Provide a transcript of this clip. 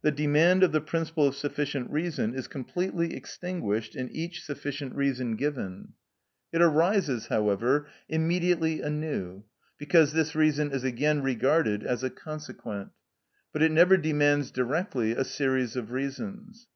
The demand of the principle of sufficient reason is completely extinguished in each sufficient reason given. It arises, however, immediately anew, because this reason is again regarded as a consequent; but it never demands directly a series of reasons.